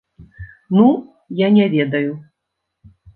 Ну я не ведаю.